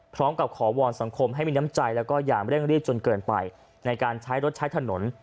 พร้อมกับขอวอนสังคมให้มีน้ำใจแล้วก็อย่างเร่งรีบจนเกินไปในการใช้รถใช้ถนน